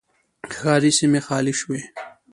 ښاري سیمې خالي شوې